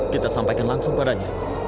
kita sampaikan langsung padanya